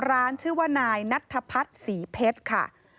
ชื่อว่านายนัทพัฒน์ศรีเพชรค่ะ